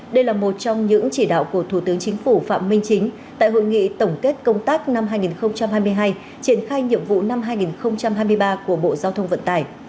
đây là một trong những chỉ đạo của thủ tướng chính phủ phạm minh chính tại hội nghị tổng kết công tác năm hai nghìn hai mươi hai triển khai nhiệm vụ năm hai nghìn hai mươi ba của bộ giao thông vận tải